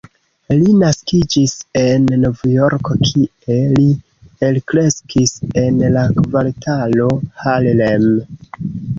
Li naskiĝis en Novjorko, kie li elkreskis en la kvartalo Harlem.